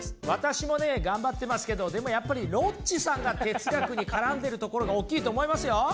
私も頑張ってますけどでも、やっぱりロッチさんが哲学に絡んでいるところが大きいと思いますよ。